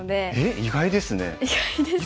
意外ですか？